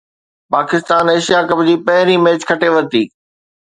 Pakistan Asia cup جي پهرين match کٽي ورتي